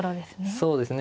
そうですね。